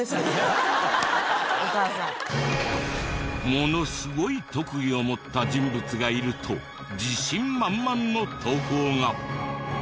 ものすごい特技を持った人物がいると自信満々の投稿が。